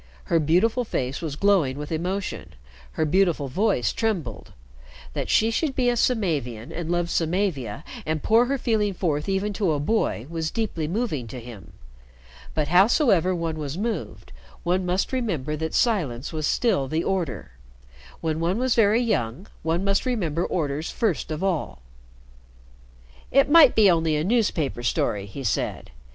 Her beautiful face was glowing with emotion, her beautiful voice trembled. That she should be a Samavian, and love Samavia, and pour her feeling forth even to a boy, was deeply moving to him. But howsoever one was moved, one must remember that silence was still the order. When one was very young, one must remember orders first of all. "It might be only a newspaper story," he said.